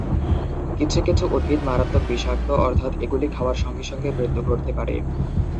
কিছু কিছু উদ্ভিদ মারাত্মক বিষাক্ত অর্থাৎ এগুলি খাওয়ার সঙ্গে সঙ্গে মৃত্যু ঘটতে পারে।